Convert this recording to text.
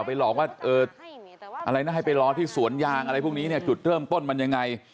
หลอกว่าอะไรนะให้ไปรอที่สวนยางอะไรพวกนี้เนี่ยจุดเริ่มต้นมันยังไง